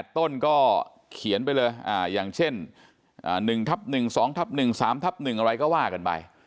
ต้นก็เขียนไปเลยอย่างเช่น๑ทับ๑๒ทับ๑๓ทับ๑อะไรก็ว่ากันไป